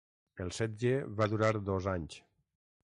El setge va durar dos anys.